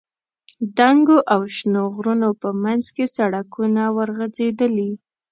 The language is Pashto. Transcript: دنګو او شنو غرونو په منځ کې سړکونه ورغځېدلي.